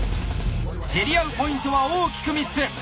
競り合うポイントは大きく３つ。